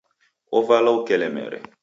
Ovalwa ukelemere.